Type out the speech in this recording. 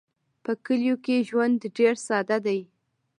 په کلیو کې ژوند ډېر ساده دی.